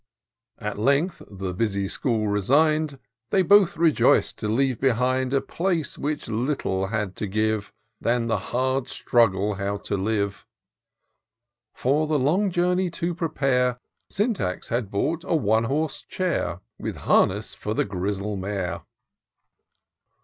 " At length, the busy school resign'd, They both rejoic'd to leave behind A place which little had to give, Than the hard struggle how to live. For the long journey to prepare. Syntax had bought a one horse chair. With harness for the grizzle mare.